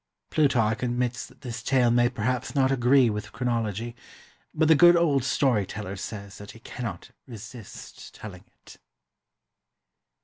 Plutarch admits that this tale m.ay perhaps not agree with chronology, but the good old story teller says that he cannot resist telling it.